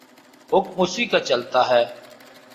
حکم اسی کا چلتاہے۔